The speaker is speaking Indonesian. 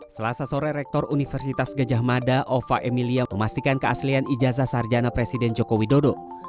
selasa sore rektor universitas gajah mada ova emilia memastikan keaslian ijazah sarjana presiden joko widodo